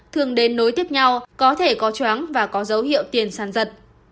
thường đến nối tiếp nhau có thể có choáng và có dấu hiệu tiền sàn giật